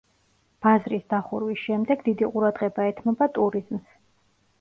ბაზრის დახურვის შემდეგ დიდი ყურადღება ეთმობა ტურიზმს.